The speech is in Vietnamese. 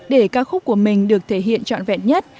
để ca khúc của mình được thể hiện trọn vẹn nhất